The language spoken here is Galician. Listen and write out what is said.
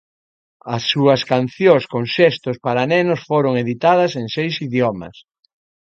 As súas cancións con xestos para nenos foron editadas en seis idiomas.